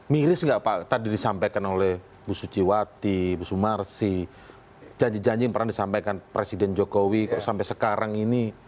miris nggak pak tadi disampaikan oleh bu suciwati bu sumarsi janji janji yang pernah disampaikan presiden jokowi kok sampai sekarang ini